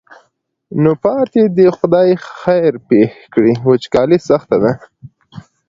نو پاتې دې خدای خیر پېښ کړي وچکالي سخته ده.